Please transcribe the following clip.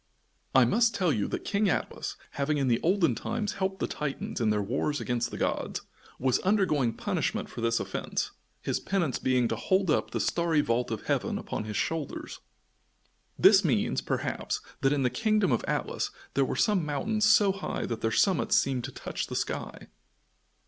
I must tell you that King Atlas, having in the olden time helped the Titans in their wars against the gods, was undergoing punishment for this offence, his penance being to hold up the starry vault of heaven upon his shoulders. This means, perhaps, that in the kingdom of Atlas there were some mountains so high that their summits seemed to touch the sky.